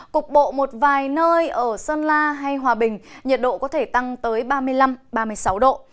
cục bộ một vài nơi ở sơn la hay hòa bình nhiệt độ có thể tăng tới ba mươi năm ba mươi sáu độ